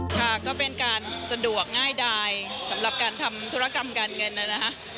ค่ะก็เป็นการสะดวกง่ายดายสำหรับการทำธุรกรรมการเงินนะฮะ